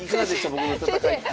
僕の戦いっぷり。